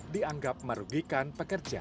dianggap merugikan pekerja